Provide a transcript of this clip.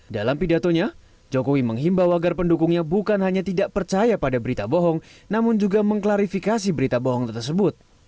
dalam pidatonya jokowi menghimbau agar pendukungnya bukan hanya tidak percaya pada berita bohong namun juga mengklarifikasi berita bohong tersebut